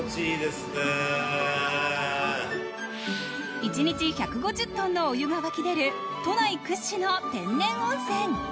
一日１５０ｔのお湯が湧き出る都内屈指の天然温泉。